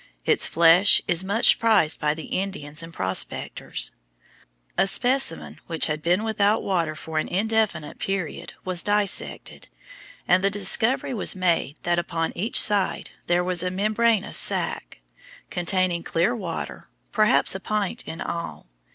Its flesh is much prized by the Indians and prospectors. A specimen which had been without water for an indefinite period was dissected, and the discovery was made that upon each side there was a membranous sac, containing clear water, perhaps a pint in all.